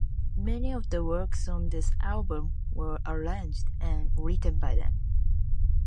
Many of the works on this album were arranged and written by them.